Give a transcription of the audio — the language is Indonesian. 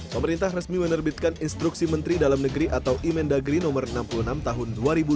pemerintah resmi menerbitkan instruksi menteri dalam negeri atau imendagri no enam puluh enam tahun dua ribu dua puluh